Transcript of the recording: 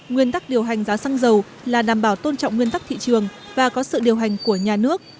nguyên tắc điều hành giá xăng dầu là đảm bảo tôn trọng nguyên tắc thị trường và có sự điều hành của nhà nước